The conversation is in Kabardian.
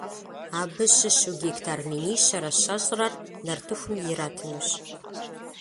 Абы щыщу гектар минищэрэ щэщӏрэр нартыхум иратынущ.